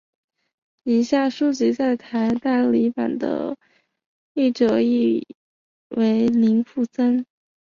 以下书籍在台代理版的译者皆为林武三。